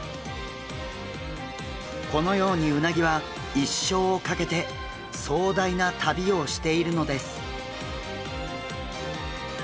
このようにうなぎは一生をかけて壮大な旅をしているのです。